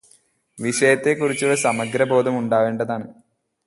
വിഷയത്തെ കുറിച്ചുള്ള സമഗ്രബോധം ഉണ്ടാവേണ്ടതാണ്.